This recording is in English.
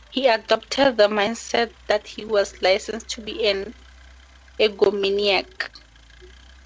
He adopted the mindset that he was "licensed to be an egomaniac".